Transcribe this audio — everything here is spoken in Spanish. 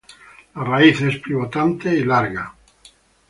La raíz es pivotante y larga.